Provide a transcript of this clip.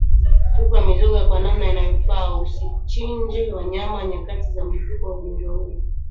Tupa mizoga kwa namna inayofaa au usichinje wanyama nyakati za mlipuko wa ugonjwa huu